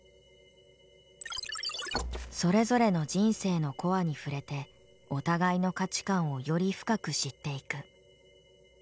それぞれの人生のコアに触れてお互いの価値観をより深く知っていく。